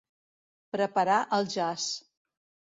Preparar el jaç.